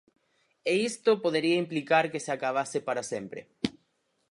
E isto podería implicar que se acabase para sempre.